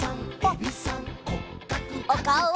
おかおを！